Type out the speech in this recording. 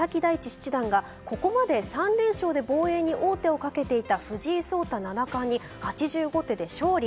七段がここまで３連勝で防衛に王手をかけていた藤井聡太七冠に８５手で勝利。